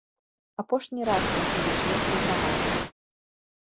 Апошні раз ён у вучнёўскай грамадзе.